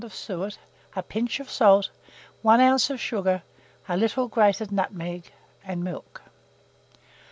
of suet, a pinch of salt, 1 oz. of sugar, a little grated nutmeg, milk.